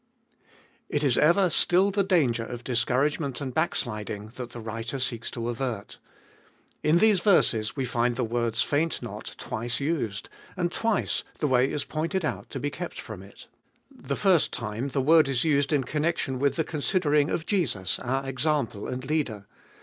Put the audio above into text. IT is ever still the danger of discouragement and backsliding that the writer seeks to avert. In these verses we find the words, Faint not, twice used, and twice the way is pointed out to be kept from it. The first time the word is used in connection with the considering of Jesus, our Example and Leader.